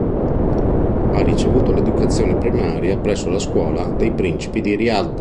Ha ricevuto l'educazione primaria presso la Scuola dei Principi di Riyad.